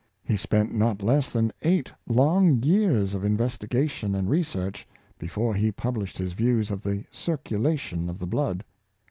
He spent not less than eight long years of in vestigation and research before he published his views "264 Dr. Jeiiner — Vaccination, of the circulation of the blood.